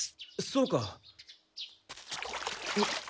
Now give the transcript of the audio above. そうか。